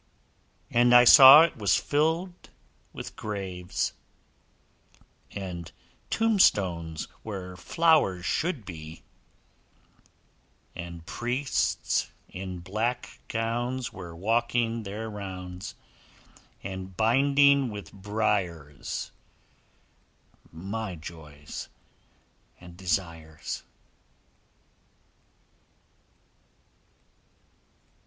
And I saw it was filled with graves, And tombstones where flowers should be; And priests in black gowns were walking their rounds, And binding with briars my joys and desires.